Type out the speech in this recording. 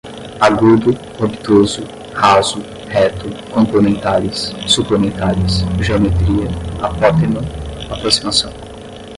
agudo, obtuso, raso, reto, complementares, suplementares, geometria, apótema, aproximação